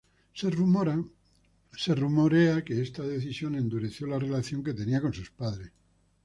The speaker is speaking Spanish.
Se rumora que esta decisión endureció la relación que tenía con sus padres.